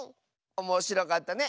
おもしろかったね